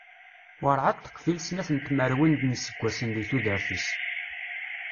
Warɛad teqfil snat n tmerwin n yiseggasen deg tudert-is.